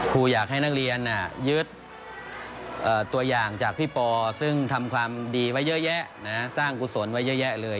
ครูอยากให้นักเรียนยึดตัวอย่างจากพี่ปอซึ่งทำความดีไว้เยอะแยะสร้างกุศลไว้เยอะแยะเลย